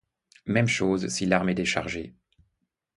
Même chose si l'arme est déchargée.